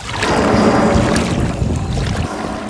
Chama cha utawala wa sheria